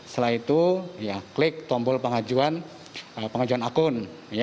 setelah itu klik tombol pengajuan akun